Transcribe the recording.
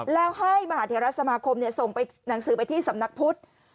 แล้วให้มหาเทราสมาคมส่งไปหนังสือไปที่สำนักพุทธ